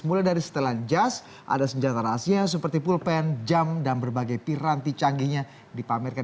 mulai dari setelan jas ada senjata rahasia seperti pulpen jum dan berbagai piranti canggihnya dipamerkan